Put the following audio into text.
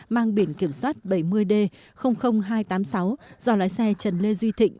mang biển kiểm soát bảy mươi d hai trăm tám mươi sáu do lái xe trần lê duy thịnh